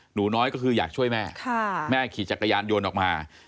หนูน้อยก็คืออยากช่วยแม่แม่ขี่จักรยานยนต์ออกมา